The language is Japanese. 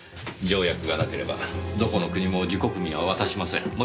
条約がなければどこの国も自国民は渡しません。